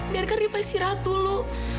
biarkan rima istirahat dulu